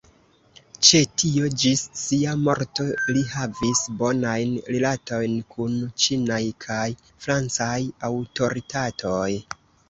Ĉe tio ĝis sia morto li havis bonajn rilatojn kun ĉinaj kaj francaj aŭtoritatoj.